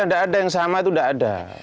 tidak ada yang sama itu tidak ada